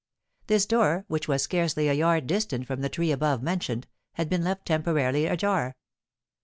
This door, which was scarcely a yard distant from the tree above mentioned, had been left temporarily ajar.